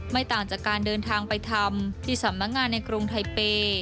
ไม่ต่างจากการเดินทางไปทำที่สำนักงานในกรุงไทเปย์